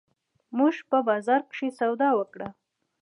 مونږه په بازار کښې سودا وکړه